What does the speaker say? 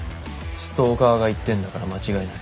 ストーカーが言ってんだから間違いない。